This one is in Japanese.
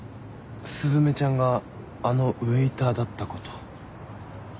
雀ちゃんがあのウエーターだったこと。